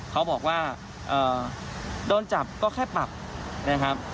เขาบอกว่าโดนจับก็แค่ปรับนะครับ